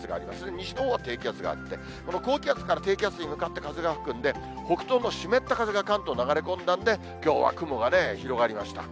西のほうは低気圧があって、この高気圧から低気圧に向かって風が吹くんで、北東の湿った風が、関東流れ込んだんで、きょうは雲が広がりました。